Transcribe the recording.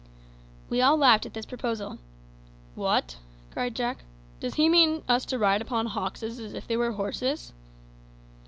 We all laughed at this proposal. "What!" cried Jack, "does he mean us to ride upon `hoxes' as if they were horses?"